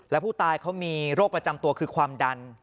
แล้วผู้ตายเขามีโรคประจำตัวคือความดัน